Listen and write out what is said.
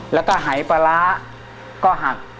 แล้วก็หายปลาร้าก็หัก